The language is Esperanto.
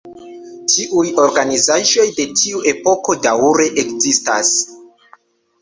Tiuj organizaĵoj de tiu epoko daŭre ekzistas.